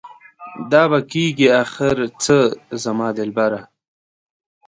دا به کيږي اخر څه زما دلبره؟